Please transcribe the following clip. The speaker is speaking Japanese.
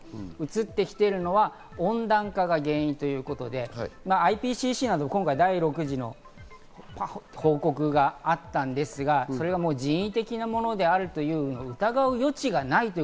うつってきているのは温暖化が原因ということでＩＰＣＣなど第６次の報告があったんですけど、人為的なものであるという疑う余地がないという。